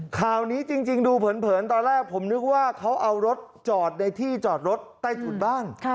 ข่าวนี้จริงดูเผินตอนแรกผมนึกว่าเขาเอารถจอดในที่จอดรถใต้ถุนบ้าน